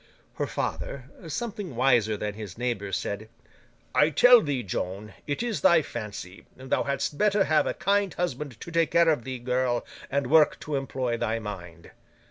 Her father, something wiser than his neighbours, said, 'I tell thee, Joan, it is thy fancy. Thou hadst better have a kind husband to take care of thee, girl, and work to employ thy mind!